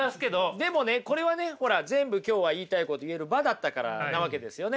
でもねこれはねほら全部今日は言いたいこと言える場だったからなわけですよね。